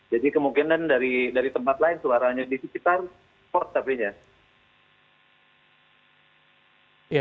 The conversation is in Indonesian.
jadi kemungkinan dari tempat lain suaranya di sekitar pos tapi ya